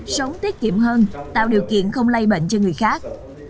sống tiết kiệm hơn tạo điều kiện không lây bệnh cho người khác